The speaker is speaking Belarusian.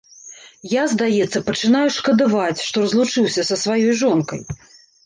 Я, здаецца, пачынаю шкадаваць, што разлучыўся са сваёй жонкай.